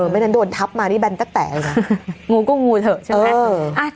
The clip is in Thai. ไม่ได้โดนทับมานี่แบนแต๊กแต๋งูก็งูเถอะใช่ไหม